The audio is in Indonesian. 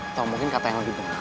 atau mungkin kata yang lebih benar